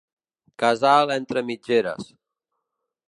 Casal entre mitgeres.